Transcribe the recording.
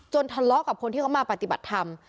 ทะเลาะกับคนที่เขามาปฏิบัติธรรม